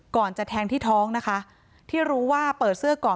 จะแทงที่ท้องนะคะที่รู้ว่าเปิดเสื้อก่อน